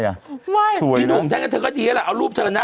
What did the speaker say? ไม่สวยนะพี่หนุ่มใช่ก็เธอก็ดีแล้วเอารูปเธอนะ